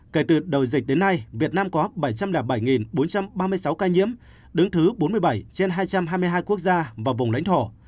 kể từ đầu dịch đến nay việt nam có bảy trăm linh bảy bốn trăm ba mươi sáu ca nhiễm đứng thứ bốn mươi bảy trên hai trăm hai mươi hai quốc gia và vùng lãnh thổ